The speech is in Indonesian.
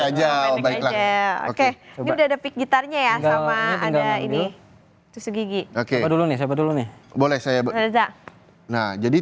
aja oke udah ada pik gitarnya ya sama ada ini susu gigi oke dulu nih boleh saya berada nah jadi